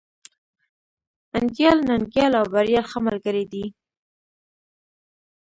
انديال، ننگيال او بريال ښه ملگري دي.